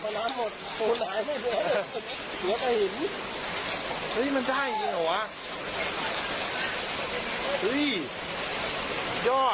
มันได้จริงหรือเปล่าวะ